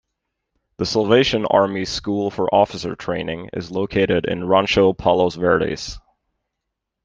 The Salvation Army's School for Officer Training is located in Rancho Palos Verdes.